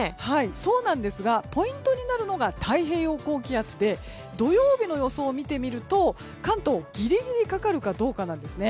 そうなんですがポイントになるのが太平洋高気圧で土曜日の予想を見てみると関東、ギリギリかかるかどうかなんですね。